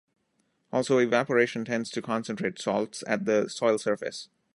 Also, evaporation tends to concentrate salts at the soil surface.